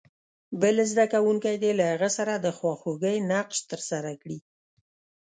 بل زده کوونکی دې له هغه سره د خواخوږۍ نقش ترسره کړي.